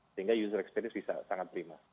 sehingga user experience bisa sangat prima